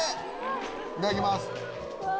いただきます。